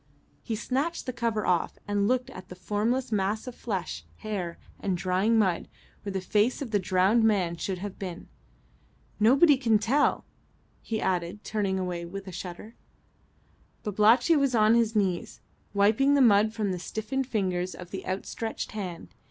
He snatched the cover off and looked at the formless mass of flesh, hair, and drying mud, where the face of the drowned man should have been. "Nobody can tell," he added, turning away with a shudder. Babalatchi was on his knees wiping the mud from the stiffened fingers of the outstretched hand.